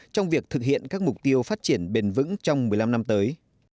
trong việc thực hiện các mục tiêu phát triển bền vững trong một mươi năm năm tới